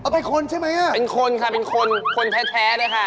เป็นคนใช่ไหมเป็นคนค่ะเป็นคนคนแท้เลยค่ะ